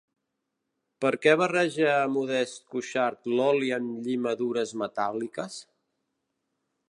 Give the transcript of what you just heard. Per què barreja Modest Cuixart l'oli amb llimadures metàl·liques?